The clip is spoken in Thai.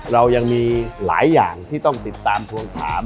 เรายังมีหลายอย่างที่ต้องติดตามทวงถาม